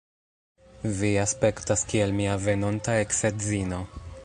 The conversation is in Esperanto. Vi aspektas kiel mia venonta eks-edzino.